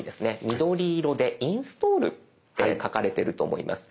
緑色で「インストール」って書かれてると思います。